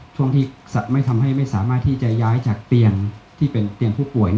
ช่วงที่ทำให้ไม่สามารถที่จะย้ายจากเตียงผู้ป่วย